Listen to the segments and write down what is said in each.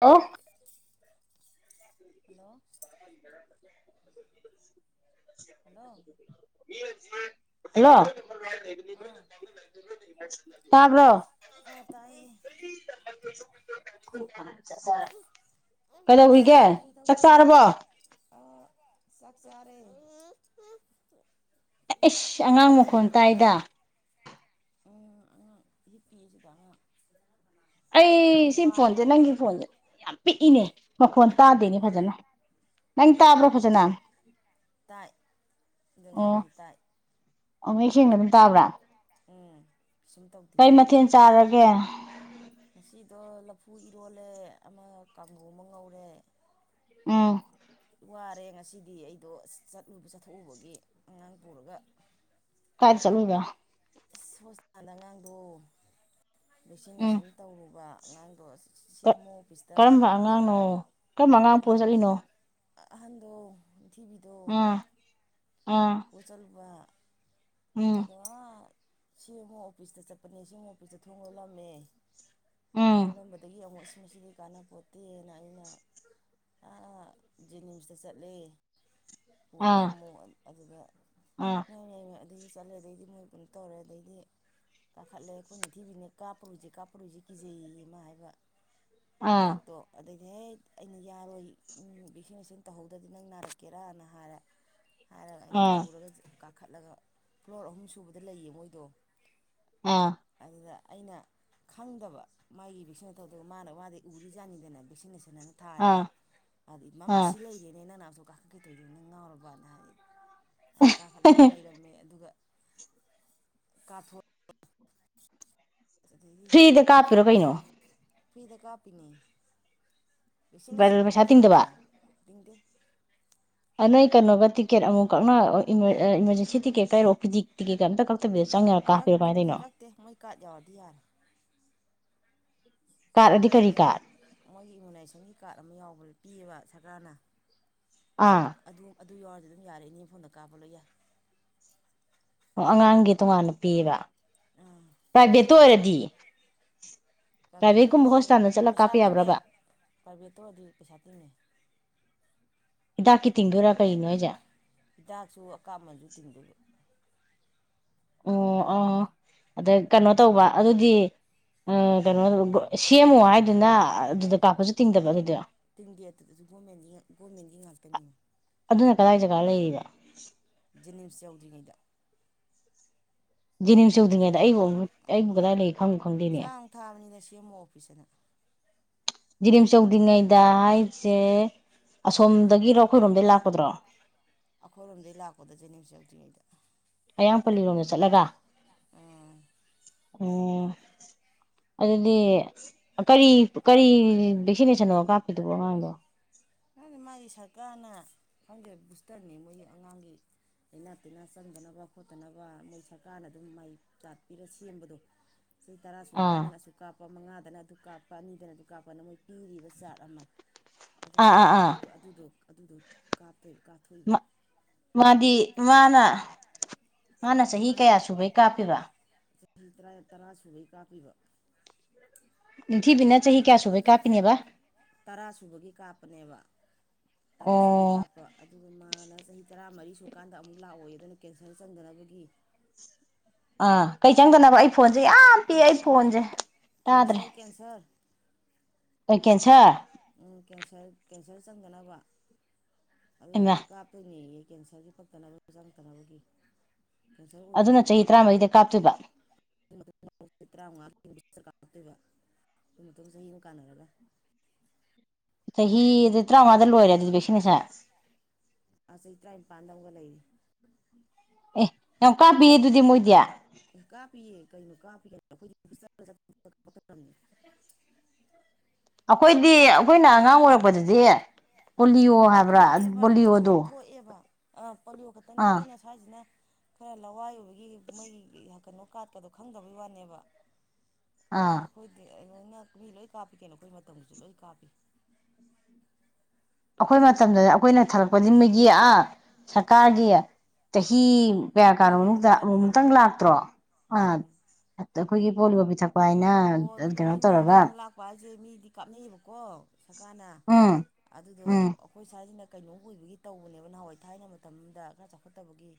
ꯑ hello [inaudible] [inaudible] hello ꯑꯥ hello ꯑꯥ ꯇꯥꯏꯌꯦ ꯇꯥꯕ꯭ꯔꯣ ꯈ ꯁꯥꯔ [inaudible] ꯑꯁ ꯀꯩꯗꯧꯔꯤꯒꯦ ꯁꯤꯔꯦꯗ ꯆꯥꯛ ꯋꯥꯕꯅ ꯆꯥꯔꯕꯣ ꯑꯥ ꯆꯥꯛ ꯆꯥꯔꯦ [inaudible] ꯑꯏꯁ ꯑꯉꯥꯡ ꯃꯈꯣꯟ ꯇꯥꯏꯗ ꯎꯝ ꯑꯉꯥꯡ ꯍꯤꯄꯤꯌꯦ ꯁꯤꯗ ꯑꯉꯥꯡ [inaudible] ꯑꯩ ꯉꯁꯤꯗꯤ ꯁꯤ ꯐꯣꯟꯁꯦ ꯋꯥꯔꯦ ꯅꯪꯒꯤ ꯈꯣꯟꯁꯦ ꯌꯥꯝ ꯄꯤꯛꯏꯅꯦ ꯃꯈꯣꯟ ꯇꯥꯗꯦꯅꯤ ꯎꯝ ꯐꯖꯅ ꯅꯪ ꯇꯥꯕ꯭ꯔꯣ ꯎꯝ ꯐꯖꯅ ꯇꯥꯏ ꯑꯗ ꯎꯝ ꯉꯥꯡꯕꯗꯤ ꯇꯥꯏ ꯑꯣ ꯃꯌꯦꯛ ꯁꯦꯡꯅ ꯑꯗꯨꯝ ꯇꯥꯕ꯭ꯔꯥ ꯎꯝ ꯀꯩꯁꯨꯝ ꯇꯧꯗꯦ ꯀꯩ ꯃꯊꯦꯜ ꯆꯥꯔꯒꯦ ꯉꯁꯤꯗꯣ ꯂꯐꯨ ꯏꯔꯣꯜꯂꯦ ꯑꯃ ꯀꯥꯡꯒꯧ ꯑꯃ ꯉꯧꯔꯦ [inaudible] ꯑ ꯋꯥꯔꯦ ꯉꯁꯤꯗꯤ ꯑꯩꯗꯣ ꯆꯠꯂꯨꯕ ꯆꯠꯊꯣꯛꯎꯕꯒꯤ ꯑꯉꯥꯡ ꯄꯨꯔꯒ ꯀꯥꯏꯗ ꯆꯠꯂꯨꯏꯕ ꯏꯁ ꯍꯣꯁꯄꯤꯇꯥꯥꯟꯗ ꯑꯉꯥꯡꯗꯣ ꯚꯦꯛꯁꯤꯅꯦꯁꯟ ꯇꯧꯔꯨꯕ ꯑꯉꯥꯡꯗꯣ [inaudible] ꯀ ꯑꯣ ꯑꯣꯐꯤꯁꯇ ꯀꯔꯝꯕ ꯑꯉꯥꯡꯅꯣ ꯀꯔꯝꯕ ꯑꯉꯥꯡ ꯄꯨꯔ ꯑꯥ ꯆꯠꯂꯤꯅꯣ ꯑꯍꯟꯗꯣ [inaudible] ꯄ꯭ꯔꯤꯊꯤꯕꯤꯗꯣ ꯑꯥ ꯑꯥ [inaudible] ꯄꯨꯔꯥ ꯆꯠꯂꯨꯕ [inaudible] ꯎꯝ ꯑꯗꯨ [unintelligible] ꯁꯤ ꯑꯦꯝ ꯑꯣ ꯑꯣꯐꯤꯁꯇ ꯆꯠꯄꯅꯦ ꯁꯤ ꯑꯦꯝ ꯑꯣ [inaudible] ꯑꯣꯐꯤꯁꯇ ꯊꯣꯡ ꯂꯣꯂꯝꯃꯦ ꯎꯝ ꯂꯣꯜꯂꯝꯕꯗꯒꯤ ꯑꯃꯨꯛ [inaudible] ꯃꯁꯤꯗꯤ ꯀꯥꯟꯅꯕꯄꯣꯠꯇꯦꯅ ꯑꯩꯅ ꯑꯥ ꯖꯦꯅꯤꯝꯁꯇ ꯆꯠꯂꯦ [inaudible] ꯄꯨꯔꯒ ꯑꯥ ꯑꯃꯨꯛ [inaudible] ꯑꯗꯨꯗ ꯑꯥ [inaudible] ꯍ ꯍ [inaudible] [unintelligible] ꯀꯥꯈꯠꯂꯦ ꯑꯩꯈꯣꯏ ꯅꯤꯡꯊꯤꯕꯤꯅ ꯀꯥꯞꯄꯔꯣꯏꯁꯦ ꯀꯥꯞꯄꯔꯣꯏꯁꯦ ꯀꯤꯖꯩꯌꯦ ꯃꯥ ꯍꯥꯏꯕ ꯑꯥ ꯍꯤꯗꯥꯛꯇꯣ ꯑꯗꯩ [inaudible] ꯑꯦ ꯑꯩꯅ ꯌꯥꯔꯣꯏ ꯚꯦꯛꯁꯤꯅꯦꯁꯟ ꯇꯧꯍꯧꯗ꯭ꯔꯗꯤ ꯅꯪ ꯅꯥꯔꯛꯀꯦꯔꯥꯅ ꯍꯥꯏꯔꯦ [inaudible] ꯑꯥ ꯈꯠꯂꯒ [inaudible] [unintelligible] ꯐ꯭ꯂꯣꯔ ꯑꯍꯨꯝ ꯁꯨꯕꯗ ꯂꯩꯌꯦ ꯃꯣꯏꯗꯣ ꯑꯥ [inaudible] ꯑꯗꯨꯗ ꯑꯩꯅ ꯈꯪꯗꯕ ꯃꯥꯒꯤ ꯚꯦꯛꯁꯤꯅꯦ ꯇꯧꯗꯒ ꯃꯥꯅ ꯋꯥꯗꯤ ꯎꯔꯤꯖꯥꯅꯤꯗꯅ ꯚꯦꯛꯁꯤꯅꯦꯁꯟ ꯐꯖꯅꯅ ꯑꯥ ꯊꯥꯔꯤꯗꯣ ꯑꯗꯨꯗꯤ ꯃꯃꯥ ꯑꯥ ꯁꯤ ꯂꯩꯔꯦꯅꯦ ꯅꯪ ꯅꯁꯨ ꯀꯥ ꯀꯩꯗꯣꯏꯗꯣꯅꯪ ꯉꯥꯎꯔꯕꯅ ꯍꯥꯏꯗꯤ ꯑ ꯀꯥ ꯈꯜꯂꯦ ꯂꯩꯔꯝꯃꯦ ꯑꯗꯨꯒ ꯀꯥꯊꯣꯛꯑ ꯐ꯭ꯔꯤꯗ ꯀꯥꯞꯄꯤꯔꯣ ꯀꯩꯅꯣ ꯐꯤꯗ ꯀꯥꯄꯤꯅꯤ ꯏꯁ ꯅꯁꯤꯅꯒꯗꯤ ꯄꯩꯁꯥ ꯐ꯭ꯔꯤꯅꯤ ꯇꯤꯡꯗꯕ ꯗꯤ ꯅ ꯀꯩꯅꯣꯒ ꯇꯤꯀꯦꯠ ꯑꯃꯨꯛ ꯀꯛ ꯏꯃꯔꯖꯦꯟꯁꯤ ꯇꯤꯀꯦꯠ ꯀꯥꯏꯔꯣ ꯑꯣ ꯄꯤ ꯗꯤ ꯇꯤꯀꯦꯠ ꯑꯝꯇ ꯀꯛꯇꯕꯤꯔꯣ ꯀꯛ ꯀꯛꯇꯦ ꯀꯛꯇꯦ ꯃꯣꯏ ꯀꯥ ꯌꯥꯎꯗꯤ ꯌꯥꯔꯦ ꯀꯥꯔꯠꯑꯗꯤ ꯀꯔꯤ ꯀꯥꯔꯗ ꯌꯥꯎ ꯀꯥꯔꯠ ꯃꯣꯏꯒꯤ ꯏꯃꯨꯅꯥꯏꯖꯦꯁꯟꯒꯤ ꯀꯥꯔꯗ ꯑꯃ ꯌꯥꯎꯕ ꯄꯤꯌꯦꯕ ꯁꯔꯀꯥꯔꯅ ꯑꯥ ꯑꯗꯨ ꯑꯗꯨ ꯌꯥꯎꯔꯗꯤ ꯑꯗꯨꯝ ꯌꯥꯔꯦ ꯏꯅꯦꯐꯣꯟꯗ ꯀꯥꯞꯄ ꯂꯣꯏ ꯌꯥꯏ ꯑꯣ ꯑꯉꯥꯡꯒꯤ ꯇꯣꯉꯥꯟꯅ ꯄꯤꯑꯕ ꯑꯥ ꯇꯒꯦ ꯇ ꯑꯣꯏꯔꯦ [inaudible] ꯄ꯭ꯔꯥꯏꯚꯦꯠꯇ ꯑꯣꯏꯔꯁꯨ ꯑꯗꯨ ꯆꯠꯂ ꯀꯥꯞꯄ ꯄꯩꯁꯥ ꯇꯤꯡꯉꯦ ꯌꯥꯕ꯭ꯔꯕ ꯄ꯭ꯔꯥꯏꯚꯦꯠꯇ ꯑꯣꯏꯔꯗꯤ ꯄꯩꯁꯥ ꯇꯤꯡꯉꯦ ꯍꯤꯗꯥꯛꯀꯤ ꯇꯤꯡꯗꯣꯏꯔꯥ ꯀꯔꯤꯅꯣ ꯑꯩꯖꯥ ꯍꯤꯗꯥꯛꯁꯨ ꯑꯀꯥꯝꯕꯟꯁꯨ ꯇꯤꯡꯗꯕ ꯑꯣ ꯑꯣ ꯑꯗ ꯀꯩꯅꯣ ꯇꯧꯕ ꯑꯗꯨꯗꯤ ꯀꯩꯅꯣ ꯁꯦꯝꯃꯣ ꯍꯥꯏꯗꯨꯅ ꯑꯗꯨꯗ ꯀꯥꯞꯄꯁꯨ ꯇꯤꯡꯗꯕ ꯑꯗꯨꯗꯣ ꯇꯤꯟꯒꯤꯠꯇꯗꯁꯨ ꯒꯣꯔꯃꯦꯟ ꯒꯣꯔꯃꯦꯟꯒꯤ ꯉꯥꯛꯇꯅꯤ ꯀꯗꯥꯥꯛ ꯆꯀꯥꯂ ꯂꯩꯗ ꯖꯤꯅꯤꯝꯁ ꯌꯧꯗ꯭ꯔꯤꯉꯩꯗ ꯖꯦꯅꯤꯝꯁ ꯌꯧꯗ꯭ꯔꯤꯉꯩꯗ ꯈꯔ ꯑꯩꯕꯨ ꯑꯩꯕꯨ ꯀꯗꯥꯏ ꯂꯩ ꯈꯪꯕ ꯈꯪꯗꯣꯏꯅꯦ ꯆꯥꯡ ꯊꯥꯕꯅꯤꯅ ꯁꯤ ꯑꯦꯝ ꯑꯣ ꯑꯣꯐꯤꯁꯅ ꯖꯤꯔꯤꯝ ꯆꯧꯗ꯭ꯔꯤꯉꯩꯗ ꯍꯥꯏꯁꯦ ꯑꯁꯣꯝꯗꯒꯤꯔꯣ ꯑꯩꯈꯣꯏꯔꯣꯝꯗꯒꯤꯩ ꯂꯥꯛꯄꯗ꯭ꯔꯣ ꯑꯩꯈꯣꯏꯔꯣꯝꯗꯒꯤꯩ ꯂꯥꯛꯄꯗ ꯖꯦꯅꯤꯝꯁ ꯌꯧꯗ꯭ꯔꯤꯉꯩꯗ ꯑꯌꯥꯡ ꯄꯜꯂꯤꯔꯣꯝꯗ ꯆꯠꯂꯒ ꯎꯝ ꯑꯣ ꯑꯗꯨꯗꯤ ꯀꯔꯤ ꯀꯔꯤ ꯚꯦꯛꯁꯤꯅꯦꯁꯟ ꯑꯃꯣ ꯀꯥꯞꯄꯤꯗꯨꯕꯣ ꯑꯉꯥꯡꯗꯣ ꯑꯩ ꯃꯥꯒꯤ ꯁꯔꯀꯥꯔꯅ ꯈꯪꯗꯦ ꯕꯨꯁꯇꯔꯅꯤ ꯃꯣꯏꯒꯤ ꯑꯉꯥꯡꯒꯤ ꯂꯩꯅꯥ ꯇꯤꯟꯅꯥ ꯆꯪꯗꯅꯕ ꯈꯣꯠꯇꯅꯕ ꯃꯣꯏ ꯁꯔꯀꯥꯔꯅ ꯑꯗꯨꯝ ꯃꯥꯏ ꯆꯥꯠꯄꯤꯔ ꯁꯦꯝꯕꯗꯣ ꯆꯍꯤ ꯇꯔꯥ ꯑꯥ ꯁꯨꯔꯀꯥꯟꯗ ꯑꯁꯨꯛ ꯀꯥꯞꯄ ꯀꯞꯄ ꯃꯉꯥꯗꯅ ꯑꯗꯨ ꯀꯥꯞꯄ ꯑꯅꯤꯗꯅ ꯑꯗꯨ ꯀꯥꯞꯄꯅ ꯃꯣꯏ ꯄꯤꯔꯤꯕ ꯆꯥꯔꯠ ꯑꯃ ꯑꯗꯨ ꯑꯥ ꯑꯥ ꯑꯥ ꯑꯗꯨꯗꯣ ꯑꯗꯨꯗꯣ ꯑꯗꯨꯗꯣ ꯀꯥꯞ ꯃꯥꯗꯤ ꯃꯥꯅꯥ ꯃꯥꯅꯥ ꯆꯍꯤ ꯃꯥꯅ ꯀꯌꯥ ꯁꯨꯕꯩ ꯀꯥꯞꯄꯤꯕ ꯆꯍꯤ ꯇꯔꯥ ꯇꯔꯥ ꯁꯨꯕꯩ ꯀꯥꯞꯄꯤꯕ ꯅꯤꯡꯊꯤꯕꯤꯅ ꯆꯍꯤ ꯀꯌꯥ ꯁꯨꯕꯩ ꯀꯥꯞꯄꯤꯅꯦꯕ ꯇꯔꯥ ꯁꯨꯕꯒꯤ ꯀꯥꯞꯄꯅꯦꯕ ꯑꯣ ꯇꯔꯥ ꯁꯨꯕꯒꯤ ꯀꯥꯞꯄ ꯑꯗꯨꯒ ꯃꯥꯅ ꯆꯍꯤ ꯇꯔꯥꯃꯔꯤ ꯁꯨꯔꯀꯥꯟꯗ ꯑꯃꯨꯛ ꯂꯥꯛꯑꯣꯌꯦ ꯑꯗꯨꯅ ꯀꯦꯟꯁꯔ ꯆꯪꯗꯅꯕꯒꯤ ꯑꯥ ꯀꯩ ꯆꯪꯗꯅꯕ ꯑꯩ ꯐꯣꯟꯁꯦ ꯌꯥꯝ ꯄꯤꯛꯑ ꯑꯩ ꯐꯣꯟꯁꯦ ꯇꯥꯗ꯭ꯔꯦ ꯀꯦꯟꯁꯔ ꯀꯦꯟꯁꯔ ꯑꯣꯏꯀꯦꯟꯁꯔ ꯎꯝ ꯀꯦꯟꯁꯔ ꯀꯦꯟꯁꯔ ꯆꯪꯗꯅꯕ ꯑꯗ ꯏꯃꯥ ꯀꯥꯄꯅꯤꯌꯦ ꯀꯦꯟꯁꯔꯒꯤ ꯄꯛꯇꯅꯕꯒꯤ ꯆꯪꯗꯅꯕꯒꯤ ꯀꯦꯟꯁꯔ ꯑꯗꯨꯅ ꯆꯍꯤ ꯑꯣꯏꯗꯅꯕꯒꯤ ꯇꯔꯥꯃꯔꯤꯗ ꯀꯥꯞꯇꯣꯏꯕ ꯇꯔꯥꯃꯉꯥ ꯀꯥꯔꯛꯇꯣꯏꯕ ꯑꯗꯨꯨꯝ ꯃꯇꯨꯡ ꯆꯍꯤ ꯑꯍꯨꯝ ꯀꯥꯟꯅꯔꯒ ꯆꯍꯤꯍꯤ ꯇꯔꯥ ꯃꯉꯥꯗꯥ ꯂꯣꯏꯔꯦ ꯑꯗꯨꯗꯤ ꯕꯁꯤꯅꯁꯟ ꯄꯥꯟꯗꯝꯒ ꯂꯩ ꯑꯦ ꯌꯥꯝ ꯀꯥꯞꯄꯤꯌꯦ ꯑꯗꯨꯗꯤ ꯃꯣꯏꯗꯤ ꯑꯦ ꯀꯥꯞꯄꯤꯌꯦ ꯀꯩꯅꯣ ꯀꯥꯞ ꯑꯩꯈꯣꯏꯗꯤ ꯑꯩꯈꯣꯏꯅ ꯑꯉꯥꯡ ꯑꯣꯏꯔꯛꯄꯗꯗꯤ ꯄꯣꯂꯤꯑꯣ ꯑꯗꯨ ꯍꯥꯏꯕ꯭ꯔꯥ ꯄꯣꯂꯤꯑꯣꯗꯣ ꯑ ꯄꯣꯂꯤꯌꯣ ꯈꯛꯇꯅꯦ ꯑꯥ ꯑꯩꯈꯣꯏꯅ ꯁ꯭ꯋꯥꯏꯁꯤꯅ ꯈꯔꯂꯋꯥꯏ ꯑꯣꯏꯕꯒꯤ ꯃꯩ ꯀꯩꯅꯣ ꯀꯥꯔꯠꯀꯗꯣ ꯈꯪꯗꯕꯩ ꯋꯥꯅꯦꯕ ꯑꯥ ꯅꯪꯅ ꯃꯤ ꯂꯣꯏ ꯀꯥꯞꯄꯤ ꯀꯩꯅꯣ ꯑꯩꯈꯣꯏ ꯃꯇꯝꯗꯁꯨ ꯂꯣꯏ ꯀꯥꯄꯤ ꯑꯩꯈꯣꯏ ꯃꯇꯝꯗꯗꯤ ꯑꯩꯈꯣꯏꯅ ꯊꯛꯂꯛꯄꯗꯤ ꯃꯤꯒꯤ ꯑꯥ ꯁꯔꯀꯥꯔꯒꯤ ꯆꯍꯤ ꯀꯌꯥ ꯀꯥꯅꯣ ꯄꯣꯂꯤꯑꯣ ꯃꯅꯨꯡꯗ ꯑꯃꯨꯛ ꯑꯃꯨꯛ ꯇꯪ ꯈꯛꯇꯅꯤꯗꯅ ꯂꯥꯛꯇ꯭ꯔꯣ ꯑ ꯎꯝ ꯑꯩꯈꯣꯏꯒꯤ ꯄꯣꯂꯤꯑꯣ ꯄꯤꯊꯛ ꯎꯥꯏꯅ ꯀꯩꯅꯣ ꯇꯧꯔꯒ ꯁꯦ ꯃꯤꯗꯤ ꯀꯥꯅꯩꯕꯀꯣ ꯀꯣ ꯁꯔꯀꯥꯔꯅ ꯎꯝ ꯑꯗꯨꯗꯣ ꯎꯝ ꯑꯩꯈꯣꯏ ꯁꯥꯔꯁꯤꯅ ꯀꯩꯅꯣ ꯑꯣꯏꯕꯒꯤ ꯇꯧꯕꯅꯦꯕ ꯅꯍꯥꯟꯋꯥꯏ ꯊꯥꯏꯅ ꯃꯇꯝꯗ ꯈꯔ ꯆꯥꯎꯈꯠꯇꯕꯒꯤ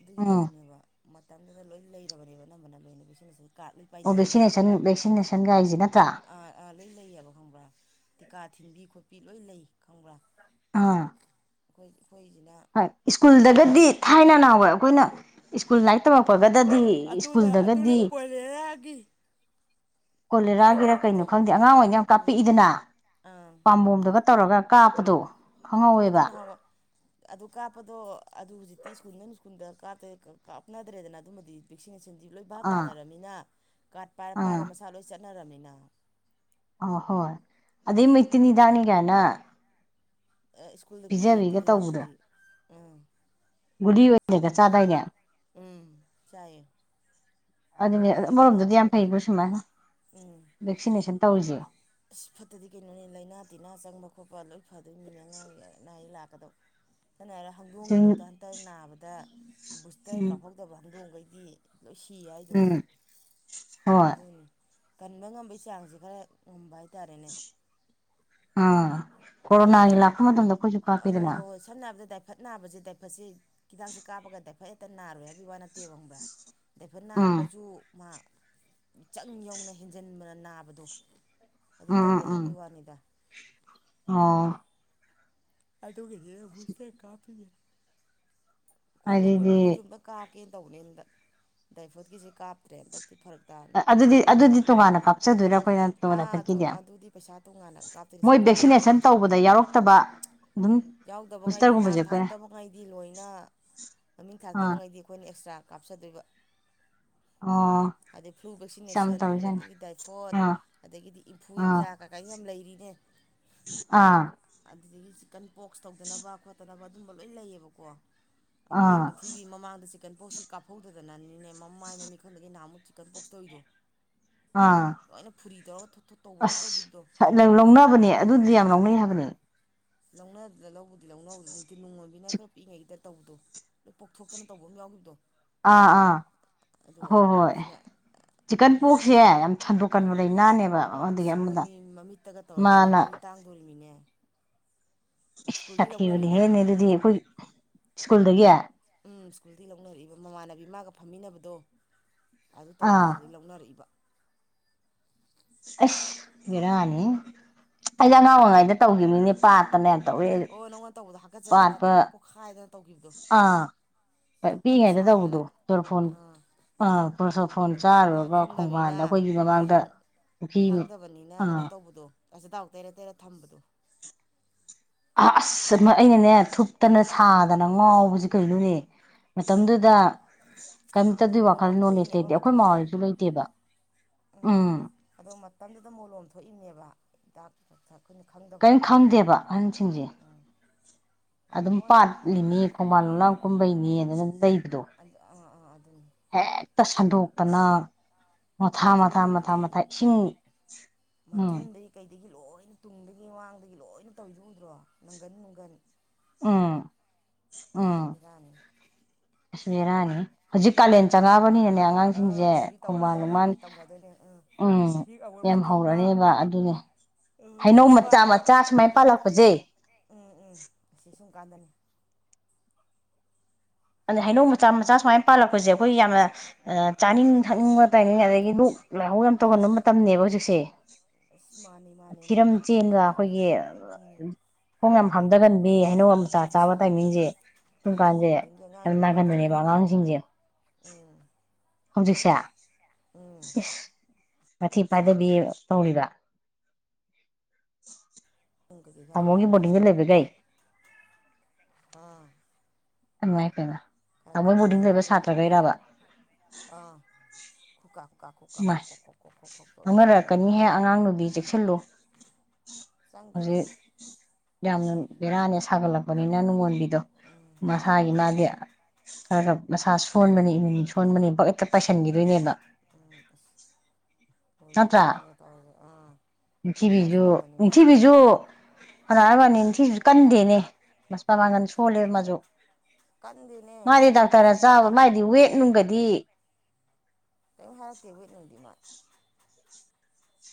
ꯑꯗꯨꯒꯤ ꯎꯝ ꯇꯧꯔꯤꯅꯦꯕ ꯃꯇꯝꯗꯨꯗ ꯂꯣꯏ ꯂꯩꯔꯕꯅꯦꯕ ꯑꯅꯝꯕꯅ ꯂꯣꯏꯅꯕꯤꯁꯤꯅꯁꯨ ꯀꯥꯔꯠ ꯂꯣꯏ ꯄꯥꯏꯅꯩꯌꯦꯕ ꯦꯁꯤꯟ ꯅꯦꯁꯟꯒ ꯍꯥꯏꯁꯤꯅ ꯑꯥ ꯑꯥ ꯂꯣꯏ ꯂꯩꯌꯦꯕ ꯈꯪꯕ꯭ꯔꯥ ꯇꯤꯀꯥ ꯊꯤꯟꯕꯤ ꯈꯣꯠꯄꯤ ꯂꯣꯏ ꯂꯩ ꯈꯪꯕ꯭ꯔꯥ ꯑꯥ ꯑꯩꯈꯣꯏ ꯑꯩꯈꯣꯏꯁꯤꯅ ꯍꯣꯏ ꯈꯔ ꯁ꯭ꯀꯨꯜꯗꯒꯗꯤ ꯊꯥꯏꯅ ꯅꯥꯋꯏ ꯑꯩꯈꯣꯏꯅ ꯏꯁ꯭ꯀꯨꯜ ꯂꯥꯏꯇ ꯇꯕꯄꯒꯠ ꯗꯗꯤ ꯑꯗꯨꯅ ꯑꯗꯨꯅ ꯁ꯭ꯀꯨꯜꯗꯒꯗꯤ ꯀꯣꯂꯦꯔꯥꯒꯤ ꯍꯤꯗꯥꯛ ꯀꯣꯂꯦꯔꯥꯒꯤꯔ ꯀꯩꯅꯣ ꯀꯥꯞꯄꯗꯣ ꯈꯪꯗꯦ ꯑꯉꯥꯡ ꯑꯣꯏꯅ ꯌꯥꯝ ꯎꯝ ꯀꯥꯞꯄꯤꯛꯏꯗꯅ ꯑꯥ ꯄꯥꯝꯕꯣꯝꯗꯒ ꯇꯧꯔꯒ ꯀꯥꯞꯄꯗꯣ ꯈꯪꯍꯧꯋꯦꯕ ꯑꯣꯗꯨꯅꯕ ꯑꯗꯨ ꯀꯥꯞꯄꯗꯣ ꯑꯗꯨ ꯍꯧꯖꯤꯛꯇꯤ ꯁ꯭ꯀꯨꯜꯗ ꯁ꯭ꯀꯨꯜꯗ ꯀꯥꯞꯦ ꯀꯥꯞꯅꯗ꯭ꯔꯦꯗꯅ ꯑꯗꯨꯝꯕꯗꯤ ꯚꯦꯛꯁꯤꯡ ꯟꯗꯤ ꯂꯣꯏ ꯚꯥꯞ ꯑꯥ ꯇꯥꯟꯅꯔꯕꯃꯤꯅ ꯀꯥꯠ ꯄꯥꯏꯔ ꯄꯥꯏꯔ ꯃꯁꯥ ꯂꯣꯏ ꯆꯠꯂ ꯀꯅꯥꯔꯥꯃꯤꯅꯥ ꯑ ꯍꯣ ꯑꯗꯨꯗꯩ ꯃꯩꯇꯩꯅꯤꯗꯥꯅꯤꯒꯅ ꯁ꯭ꯀꯨꯜꯗ ꯄꯤꯌꯦ ꯇꯤꯍꯗꯥꯛꯇꯨꯗꯤ ꯑꯥ ꯀꯔꯒ ꯆꯥꯗꯏꯅꯦ ꯎꯝ ꯆꯥꯏ ꯑꯗꯨꯅꯦ ꯑꯃꯔꯣꯝꯗꯗꯤ ꯌꯥꯝ ꯐꯩꯕ꯭ꯔꯣ ꯁꯨꯃꯥꯏꯅ ꯎꯝ ꯚꯦꯛꯁꯤꯅꯦꯁꯟ ꯇꯧꯔꯤꯁꯦ ꯑꯁ ꯐꯠꯇꯗꯤ ꯀꯩꯅꯣꯅꯤ ꯂꯥꯏꯅꯥ ꯇꯤꯟꯅꯥ ꯆꯪꯕ ꯈꯣꯠꯄ ꯂꯣꯏ ꯐꯗꯣꯏꯅꯤ [inaudible] ꯀꯏ ꯂꯥꯛꯒꯗ ꯁꯝꯅ ꯍꯥꯏꯔꯒ ꯎꯝ ꯍꯧꯗꯣꯡꯒꯤꯐꯧꯗ ꯍꯟꯇꯛ ꯅꯥꯕꯗ ꯕꯨꯁꯇꯔ ꯀꯥꯞꯍꯧꯗꯕ ꯍꯧꯗꯣꯡꯒꯩ ꯒꯤ ꯂꯣꯏ ꯁꯤꯌꯦ ꯍꯥꯏꯗꯣ ꯎꯝ ꯍꯣꯏ ꯑꯗꯨꯅꯤ ꯀꯟꯕ ꯉꯝꯕꯩ ꯆꯥꯡꯁꯤ ꯈꯔ ꯃꯨꯝꯕꯥꯏ ꯑꯥ ꯑꯗꯨꯗꯤ ꯗꯥꯏ ꯀꯣꯔꯣꯅꯥꯁꯤ ꯂꯥꯛꯄ ꯃꯇꯝꯗ ꯑꯩꯈꯣꯏꯁꯨ ꯀꯥꯞꯄꯤꯗꯅ ꯐꯠ ꯅꯥꯁ ꯏꯐꯠꯁꯤ ꯍꯤꯗꯥꯛꯁꯦ ꯀꯥꯞꯒꯗꯤ ꯐꯖꯦ ꯍꯦꯛꯇ ꯅꯥꯔꯣꯏ ꯍꯥꯏꯕꯒꯤ ꯋꯥ ꯅꯠꯇꯦꯕ ꯈꯪꯕ꯭ꯔꯥ ꯗꯥꯏꯐꯠ ꯎꯝ ꯅꯥꯔꯒꯁꯨ ꯆꯪ ꯌꯧꯅ ꯍꯦꯟꯖꯤꯟꯕꯅ ꯅꯥꯕꯗꯣ ꯑꯗꯨ ꯎꯝ ꯎꯝ ꯇꯧꯔꯣꯏ ꯎꯝ ꯍꯥꯏꯕꯩ ꯋꯥꯅꯤꯗ ꯑ ꯑꯗꯨꯒꯤꯗꯤ ꯕꯨꯁꯂꯦ ꯀꯥꯞꯄꯤꯅꯤ ꯑꯩꯈꯣꯏ ꯑꯗꯨꯗꯤ ꯅꯣꯡꯉꯣꯟꯕꯤꯒꯤꯁꯨ ꯑꯝꯇ ꯀꯥꯞ ꯀꯦꯟ ꯇꯧꯕꯅꯦ [unintelligible] ꯗꯥꯏꯐꯣꯠꯀꯤꯁꯦ ꯀꯥꯞꯇ꯭ꯔꯦ ꯍꯟꯇꯛ ꯑꯗꯨꯗꯤ ꯑꯗꯨꯗꯤ ꯇꯣꯉꯥꯟꯅ ꯀꯥꯞꯆꯗꯣꯏꯔꯥ ꯑꯩꯈꯣꯏꯅ ꯇꯣꯉꯥꯟꯅ ꯑꯥ ꯑꯗꯨ ꯈꯠꯈꯤꯒꯦ ꯑꯗꯨꯗꯤ ꯄꯩꯁꯥ ꯇꯣꯉꯥꯟꯅ ꯀꯥꯞꯇꯣꯏꯅꯤ ꯃꯣꯏ ꯁꯔꯀꯥꯔꯅ ꯐ꯭ꯔꯤ ꯚꯦꯛꯁꯤꯅꯦꯁꯟ ꯄꯤꯗ꯭ꯔꯦ ꯇꯧꯕꯗ ꯌꯥꯎꯔꯛꯇꯕ ꯑꯗꯨꯝ ꯌꯥꯎꯗꯕꯉꯩꯗꯤ ꯕꯨꯁꯇꯔꯒꯨꯝꯕꯁꯦ ꯅꯥꯟ ꯑꯩꯈꯣꯏꯅ ꯊꯥꯔꯛꯇꯕꯉꯩꯗꯤ ꯂꯣꯏꯅ ꯃꯃꯤꯡ ꯑꯥ ꯊꯥꯔꯛꯇꯕꯉꯩꯗꯤ ꯑꯩꯈꯣꯏꯅ ꯑꯦꯛꯁꯇ꯭ꯔꯥ ꯀꯥꯞꯆꯗꯣꯏꯕ ꯑꯣ ꯑꯗꯩ ꯐ꯭ꯂꯨ ꯌꯥꯝ ꯚꯦꯛꯁꯤꯅꯦꯁꯟ ꯇꯧꯔꯤꯖꯥꯠꯅꯤ ꯑꯗꯒꯤ ꯗꯥꯏꯐꯣꯠ ꯑꯥ ꯑꯗꯒꯤꯗꯤ ꯑꯥ ꯏꯟꯐꯨꯏꯟꯖꯥ ꯀꯩꯀꯥ ꯌꯥꯝ ꯂꯩꯔꯤ ꯑꯦ ꯑꯥ ꯆꯤꯛꯀꯟ ꯕꯣꯛꯁ ꯇꯧꯗꯅꯕ ꯈꯣꯠꯇꯅꯕ ꯑꯗꯨꯝꯕ ꯂꯣꯏ ꯂꯩꯌꯦꯕꯀꯣ ꯑꯩꯈꯣꯏ ꯑꯥ ꯅꯤꯡꯊꯤꯕꯤ ꯃꯃꯥꯡꯗ ꯆ ꯆꯤꯀꯟꯐꯣꯛꯁꯀꯤ ꯀꯥꯞꯍꯧꯗꯅꯅꯤꯅꯦ ꯃꯃꯥꯏ ꯃꯃꯤꯠ ꯈꯪꯗꯒꯩ ꯅꯍꯥꯃꯨꯛ ꯆꯤꯛꯀꯟ ꯄꯣꯛꯁ ꯇꯧꯔꯤꯗꯣ ꯑꯥ ꯂꯣꯏꯅ ꯐꯨꯔꯤ ꯇꯧꯔꯒ ꯊꯣꯠ ꯊꯣꯠ ꯇꯧꯕ ꯑꯃ ꯇꯧꯈꯤꯕꯗꯣ ꯑꯁ ꯂꯧꯅꯕꯅꯦ ꯑꯗꯨꯗꯤ ꯌꯥꯝ ꯂꯧꯅꯩ ꯍꯥꯏꯕꯅꯦ ꯂꯧꯅꯅ ꯂꯧꯕꯗꯤ ꯂꯧꯅꯍꯧꯗꯦ ꯅꯨꯡꯉꯣꯟꯕꯤꯅ ꯈꯔ ꯄꯤꯛꯏꯉꯩꯒꯤꯗ ꯇꯧꯕꯗꯣ ꯄꯣꯛꯊꯣꯛꯇꯅ ꯇꯧꯕ ꯑꯃ ꯌꯥꯎꯈꯤꯕꯗꯣ ꯑꯥ ꯑꯥ ꯑꯗꯣ ꯍꯣꯏ ꯍꯣꯏ ꯑꯁꯤꯅ ꯆꯤꯛꯀꯟ ꯄꯣꯛꯁꯁꯦ ꯌꯥꯝ ꯁꯟꯗꯣꯛꯀꯟꯕ ꯂꯩꯅꯥꯅꯦꯕ ꯑꯗꯨꯒꯤ ꯁꯤꯒ ꯃꯣꯏ ꯑꯃꯗ ꯃꯤ ꯃꯃꯤꯠꯇꯒ ꯇꯧꯔꯗꯤ ꯃꯥꯅ ꯃꯃꯤꯠ ꯇꯥꯡꯗꯣꯔꯤꯃꯤꯅꯦ ꯁ꯭ꯀꯨꯜꯗꯤ ꯁꯥꯊꯤꯕꯅꯤꯍꯦ ꯂꯧꯅꯔꯛꯏꯕ ꯅꯦ ꯑꯗꯨꯗꯤ ꯁꯀꯨꯜꯗꯒꯤ ꯎꯝ ꯁ꯭ꯀꯨꯜꯗꯒꯤ ꯂꯧꯅꯔꯛꯏꯕ ꯃꯃꯥꯟꯅꯕꯤ ꯃꯥꯒ ꯐꯝꯃꯤꯟꯅꯕꯗꯣ ꯑꯗꯨ ꯇꯧꯕ ꯑꯥ ꯑꯗꯨꯗꯩꯩ ꯂꯧꯅꯔꯛꯏꯕ ꯑꯁ ꯕꯦꯔꯥꯅꯤꯍꯦ ꯑꯩꯗꯤ ꯑꯉꯥꯡ ꯑꯣꯏꯉꯩꯗ ꯇꯧꯈꯤꯕꯃꯤꯅꯦ ꯄꯥꯠꯇꯅꯦ ꯌꯥꯝ ꯇꯧꯋꯦ ꯑꯣ ꯅꯪꯉꯣꯟ ꯇꯧꯕꯗꯣ ꯍꯥꯀꯠꯆꯗꯅ ꯄꯥꯠꯄ ꯇꯣꯛ ꯄꯣꯛꯈꯥꯏꯗꯅ ꯇꯧꯈꯤꯕꯗꯣ ꯑꯥ ꯊꯨꯞꯇꯅ ꯄꯤꯛꯏꯉꯩꯗ ꯇꯧꯕꯗꯣ ꯁꯥꯗꯅ ꯄꯣꯔꯣꯐꯣꯟ ꯑꯥ ꯑ ꯆꯣꯔꯣꯐꯣꯟ ꯆꯥꯔꯨꯔꯒ ꯈꯪꯗꯕꯅꯤꯅ ꯈꯣꯡꯕꯥꯟꯗ ꯑꯩꯈꯣꯏꯒꯤ ꯃꯃꯥꯡꯗ ꯄꯨ꯭ꯔꯤ ꯑꯥ ꯑꯁꯊꯥꯎ ꯇꯩꯔ ꯇꯩꯔ ꯊꯝꯕꯗꯣ ꯑ ꯑꯁ ꯑꯩꯅꯅꯦ ꯊꯨꯞꯇꯅ ꯁꯥꯗꯅ ꯉꯥꯎꯕꯁꯤ ꯀꯩꯅꯣꯅꯦ ꯃꯇꯝꯗꯨꯗ ꯑꯗꯨꯅꯤ ꯑꯗꯣ ꯀꯩꯝꯇꯗꯤ ꯋꯥꯈꯜ ꯃꯣꯂꯣꯝ ꯅꯣꯂꯦꯖ ꯊꯣꯛꯏꯅꯦꯕ ꯂꯩꯇꯦ ꯑꯩꯈꯣꯏ ꯃꯥ ꯃꯇꯝꯗꯨꯗ ꯍꯣꯏꯁꯨ ꯂꯩꯇꯦꯕ ꯎꯝ ꯗꯥꯛ [unintelligible] ꯀꯔꯤꯝ ꯈꯪꯗꯦꯕ ꯑꯍꯟꯁꯤꯡꯁꯦ ꯈꯪꯗ ꯑꯗꯨꯝ ꯍꯣꯏ ꯄꯥꯠꯂꯤꯅꯤ ꯈꯣꯡꯕꯥꯟ ꯂꯣꯂꯥꯡ ꯀꯨꯝꯕꯩꯅꯦ ꯑꯗꯨꯅ ꯂꯩꯕꯗꯣ ꯑꯥ ꯑꯥ ꯑꯗꯨꯅꯤ ꯍꯦꯛꯇ ꯁꯟꯗꯣꯛꯇꯅ ꯃꯣꯊꯥ ꯑꯩꯈꯣꯏꯅ ꯊꯤꯕꯤ ꯃꯊꯥ ꯃꯊꯥ ꯃꯊꯥ ꯏꯁꯤꯡ ꯎꯝ ꯃꯊꯨꯟꯗꯩ ꯀꯩ ꯑꯗꯒꯤ ꯂꯣꯏꯅ ꯇꯨꯡꯗꯒꯤ ꯃꯥꯡꯗꯒꯤ ꯂꯣꯏꯅ ꯇꯧꯏꯗꯨ ꯎꯗ꯭ꯔꯣ ꯅꯪꯒꯟ - ꯅꯨꯡꯒꯟ꯫ ꯑꯥ꯫ ꯕꯦꯔꯥꯅꯤ꯫ ꯕꯦꯔꯥꯅꯤ ꯍꯧꯖꯤꯛ ꯀꯥꯂꯦꯟ ꯆꯪꯉꯛꯑꯕꯅꯤꯅꯅꯦ ꯑꯥ ꯑꯉꯥꯡꯁꯤꯡꯁꯦ ꯍꯧꯖꯤꯛ ꯈꯣꯡꯕꯥꯟ ꯇꯧꯔꯛꯑꯗꯕꯅꯤ ꯂꯣꯡꯃꯜ ꯍꯧꯖꯤꯛ ꯇꯧꯅꯗꯣꯏꯅꯦ ꯎꯝ ꯏꯁꯤꯡ ꯑꯃꯣꯠꯄ ꯌꯥꯝ ꯊꯛꯄ ꯍꯧꯔꯅꯦꯕ ꯑꯗꯨꯅꯦ ꯎꯝ ꯍꯩꯅꯧ ꯃꯆꯥ- ꯄꯥꯏꯕ ꯃꯆꯥ ꯁꯨꯃꯥꯏ ꯄꯥꯜꯂꯛꯄꯁꯦ ꯁꯨꯡ ꯀꯥꯟꯗꯅꯤ꯫ ꯑꯗ ꯍꯩꯅꯧ ꯃꯆꯥ - ꯃꯆꯥ ꯁꯨꯃꯥꯏꯅ ꯄꯥꯜꯂꯛꯄꯁꯦ ꯑꯩꯈꯣꯏ ꯌꯥꯝꯅ ꯆꯥꯅꯤꯡ ꯊꯛꯅꯤꯡꯕ ꯇꯥꯏꯅꯤꯡ ꯑꯗꯒꯤ ꯂꯣꯛ ꯂꯥꯏꯍꯧ ꯌꯥꯝꯅ ꯇꯧꯍꯟꯕ ꯃ ꯇꯝꯅꯦꯕ ꯍꯧꯖꯤꯛꯁꯦ꯫ ꯑꯁ ꯃꯥꯅꯤ ꯃꯥꯅꯤ ꯊꯤꯔꯝ ꯃꯥꯅꯤ ꯆꯦꯟꯒ ꯑꯩꯈꯣꯏꯒꯤ ꯎꯝ ꯈꯣꯡ ꯌꯥꯝ ꯍꯥꯝꯊꯒꯟꯕꯤ ꯍꯩꯅꯧ ꯃꯆꯥ ꯑꯁꯤ ꯆꯥꯕ ꯇꯥꯏꯃꯤꯡꯁꯦ ꯁꯨꯝ ꯎꯝ ꯃꯣꯏ ꯀꯥꯟꯁꯦ ꯕꯣꯔꯗꯤꯡꯒꯤ ꯌꯥꯝ ꯑꯉꯥꯡꯁꯤꯡꯁꯦ ꯂꯣꯏ ꯅꯥꯒꯟꯕꯅꯦꯕ ꯇꯧꯔꯤꯅꯤ ꯑꯥ ꯍꯧꯖꯤꯛ ꯉꯥꯡꯁꯤꯡꯖꯦ꯫ ꯎꯝ ꯍꯧꯖꯤꯛꯁꯦ? ꯎꯝ ꯏꯁ! ꯃꯊꯤ ꯐꯥꯏꯗꯕꯤ ꯇꯧꯔꯤꯕ? ꯎꯝ ꯀꯩꯀꯩ ꯈꯔ ꯇꯧꯋꯦ ꯇꯃꯣꯒꯤ ꯍꯥꯏꯕꯅꯦ ꯁꯦ ꯕꯣꯔꯗꯤꯡꯗ ꯂꯩꯕꯒꯩ? ꯑꯥ꯫ ꯏꯃꯥꯏ ꯄꯦꯝꯃꯥ! ꯑꯥ ꯇꯧꯋꯦꯕ ꯂꯣꯛꯅꯨꯡ ꯈꯔ ꯇꯧꯋꯦ ꯑꯥ ꯈꯨꯀꯥ ꯈꯨꯀꯥ ꯈꯨꯀꯥ ꯥꯏꯃꯥꯏ ꯈꯣꯛ ꯈꯣꯛ ꯈꯣꯛ ꯈꯣꯛ ꯈꯣꯛ ꯈꯣꯛ ꯇꯧ ꯂꯣꯏ ꯇꯧꯅꯩ ꯂꯧꯅꯔꯛꯀꯅꯤꯍꯦ ꯑꯉꯥꯡ ꯅꯨꯕꯤ ꯆꯦꯛꯁꯤꯜꯂꯨ ꯆꯪꯗꯦꯗ ꯍꯧꯖꯤꯛ ꯌꯥꯝꯅ ꯕꯦꯔꯥꯅꯦ ꯁꯥꯒꯠꯂꯛꯄꯅꯤꯅ ꯅꯨꯡꯉꯣꯟꯕꯤꯗꯣ ꯃꯁꯥꯒꯤ ꯃꯥꯗꯤ ꯈꯔ- ꯈꯔ ꯃꯁꯥ ꯁꯣꯟꯕꯅꯤ ꯏꯃꯨꯟ ꯁꯣꯟꯕꯅꯤ ꯕꯀ ꯄꯥꯏꯁꯟꯈꯤꯗꯣꯏꯅꯦꯕ꯫ ꯎꯝ ꯑꯁ ꯈꯣꯏꯁꯨ ꯅꯠꯇ꯭ꯔꯥ ꯃꯉꯣꯟꯗꯒ ꯇꯧꯔꯁꯦ ꯑꯥ ꯁꯥ ꯅꯤꯡꯊꯤꯕꯤꯖꯨ ꯁꯣꯟꯕꯅꯤꯅ ꯅꯤꯡꯊꯤꯕꯤꯖꯨ [unintelligible] ꯅꯤꯡꯊꯤ ꯀꯟꯗꯦꯅꯦ ꯃꯄꯥꯡꯒꯟ ꯁꯣꯜꯂꯦꯕ ꯃꯥꯁꯨ꯫ ꯀꯟꯗꯦꯅꯦ ꯃꯥꯗꯤ ꯉꯁꯥꯏꯁꯨ ꯗꯥꯛꯇꯔꯅ ꯚꯦꯛꯁꯤꯟ ꯆꯥꯕ ꯀꯥꯞꯄꯗ ꯃꯥꯗꯤ ꯋꯦꯠ ꯅꯨꯡꯒꯗꯤ ꯀꯦꯏꯝ ꯍꯥꯏꯔꯛꯇꯦ ꯋꯤꯠ ꯅꯨꯡꯗꯤ ꯃꯥ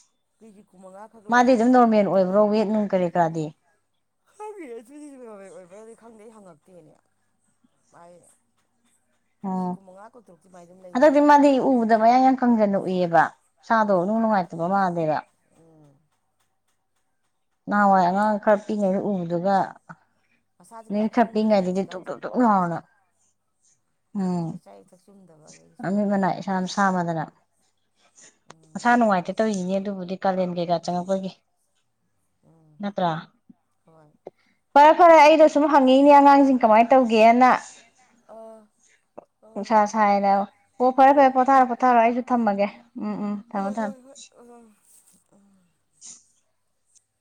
[unintelligible] ꯈꯛ ꯃꯥꯗꯤ ꯂꯩꯌꯦ ꯑꯗꯨꯝ ꯃꯥꯏꯁꯨ ꯅꯣꯔꯃꯦꯜ ꯑꯣꯏꯕ꯭ꯔꯣ ꯋꯤ ꯅꯨꯡ ꯀꯔꯤ ꯀꯔꯥꯗꯤ? ꯍꯪꯗꯦ ꯑꯗꯨꯗꯤ ꯅꯣꯔꯃꯦꯜ ꯑꯣꯏꯕ꯭ꯔꯥꯗꯤ ꯈꯪꯗꯦ ꯑꯩ ꯍꯪꯉꯛꯇꯦꯅꯦ ꯃꯥꯥꯏ ꯑꯝ ꯑꯗꯣ ꯑꯩꯗꯤ ꯃꯗꯤ ꯎꯕꯗ ꯃꯌꯥꯡ ꯌꯥꯝ ꯀꯪꯖꯟꯅ ꯎꯏꯌꯦꯕ ꯃꯁꯥꯗꯣ ꯏꯅꯨꯡ ꯅꯨꯡꯉꯥꯏꯇꯕ ꯃꯥꯟꯗꯦꯕ ꯅꯍꯥꯟꯋꯥꯏ ꯑꯉꯥꯡ ꯈꯔ ꯄꯤꯛꯏꯉꯩꯗ ꯎꯒꯤꯞꯗꯨꯒ ꯃꯁꯥꯁꯦ ꯃꯤ ꯀꯌꯥ ꯊꯞꯄꯤ ꯈꯤꯡꯗ꯭ꯔꯕꯅꯦ ꯉꯥꯏꯗꯗꯤ ꯇꯨꯞ ꯍꯧꯖꯤꯛꯀꯥꯟꯁꯦ ꯇꯨꯞ ꯇꯨꯞ ꯂꯥꯎꯔꯗꯅ ꯆꯛꯆꯥ ꯌꯨꯊꯛ ꯆꯨꯝꯗꯕ ꯑꯗꯒꯤ ꯃꯃꯤꯠ ꯁꯣꯏꯔꯤꯕ ꯃꯅꯥ ꯏꯁꯥꯝ ꯁꯥꯥꯝꯃꯗꯅ ꯃꯁꯥ ꯅꯨꯡꯉꯥꯏꯇꯗ ꯇꯧꯔꯤꯅꯤ ꯑꯗꯨꯕꯨꯗꯤ ꯀꯥꯂꯦꯟ ꯀꯩꯀꯥ ꯆꯪꯉꯛꯄꯒꯤ ꯅꯠꯇ꯭ꯔꯥ ꯍꯣꯏ ꯐꯔꯦ ꯐꯔꯦ ꯑꯩꯗꯣ ꯁꯨꯝ ꯍꯪꯉꯛꯏꯅꯦ ꯑꯉꯥꯡꯁꯤꯡ ꯀꯃꯥꯏꯅ ꯇꯧꯒꯦꯅ ꯑꯥ ꯑꯥ ꯅꯨꯡꯁꯥ ꯁꯥ ꯌꯥꯥꯏꯅꯧ ꯑꯣ ꯐꯔꯦ ꯑꯥ ꯐꯔꯦ ꯄꯣꯊꯥꯔꯣ ꯄꯣꯊꯥꯔꯣ ꯑꯩꯁꯨ ꯊꯝꯃꯒꯦ ꯎꯝ ꯎꯝ ꯊꯝꯃꯣ ꯊꯝꯃꯣ ꯎꯝ ꯑꯟꯑꯣꯗꯤꯕꯜ